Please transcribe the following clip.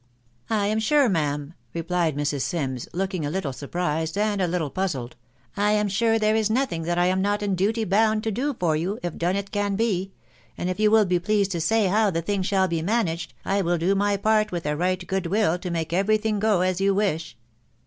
" I am sure, ma'am," replied Mrs. Sims, looking a little surprised and a little puzzled — <c I am sure there is nothing that I am not in duty bound to do for you, if done it can be ; and if you will be pleased to say how the thing shall be managed, I will do my part with a right good will to make every thing go as you wish."